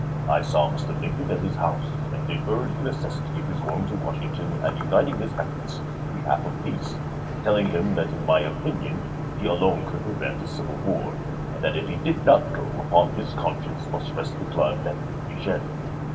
I saw Mr. Lincoln at his own house, and did urge the necessity of his going to Washington and unit ing his efforts in behalf of peace, telling him that Duff Green in mv opinion he alone could prevent a civil war, soddS, and that if he did not go, upon his conscience must ayMS.1868, rest the blood that would be shed."